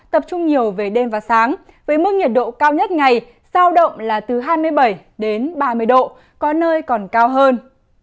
tập trung nhiều về đêm và sáng với mức nhiệt độ cao nhất ngày sao động là từ hai mươi bảy đến ba mươi độ có nơi còn cao hơn